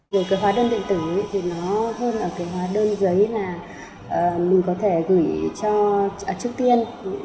về cái hóa đơn điện tử thì nó hơn ở cái hóa đơn giấy là mình có thể gửi cho trước tiên